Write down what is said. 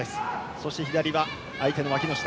そして左は相手のわきの下。